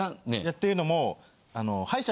ていうのも。